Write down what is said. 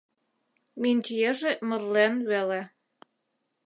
Минтьеже мырлен веле.